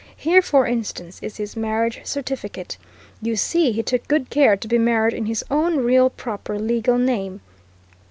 Here, for instance is his marriage certificate. You see, he took good care to be married in his own real, proper, legal name!